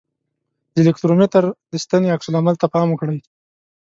د الکترومتر د ستنې عکس العمل ته پام وکړئ.